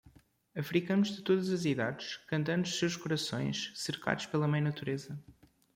Africanos de todas as idades cantando seus corações cercados pela mãe natureza.